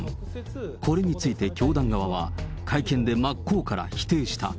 これについて、教団側は、会見で真っ向から否定した。